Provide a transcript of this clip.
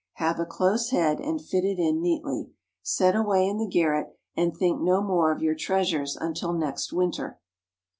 Have a close head, and fit it in neatly. Set away in the garret, and think no more of your treasures until next winter.